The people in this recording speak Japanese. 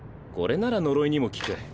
これなら呪いにも効く。